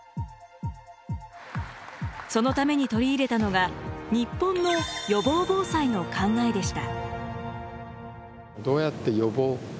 そのために取り入れたのが日本の予防防災の考えでした。